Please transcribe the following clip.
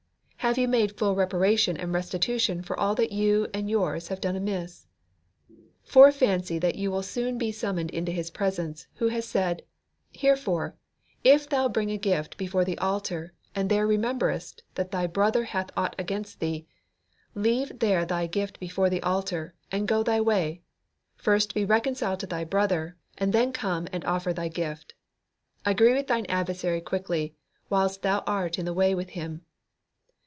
Have you made full reparation and restitution for all that you and yours have done amiss? Fore fancy that you will soon be summoned into His presence who has said: "herefore, if thou bring thy gift before the altar, and there rememberest that thy brother hath aught against thee, leave there thy gift before the altar, and go thy way; first be reconciled to thy brother, and then come and offer thy gift. Agree with thine adversary quickly, whiles thou art in the way with him."